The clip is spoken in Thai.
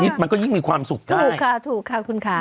จริงค่ะถูกค่ะถูกค่ะคุณค้า